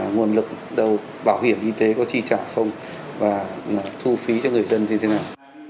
nguồn lực đầu bảo hiểm y tế có chi trả không và thu phí cho người dân như thế nào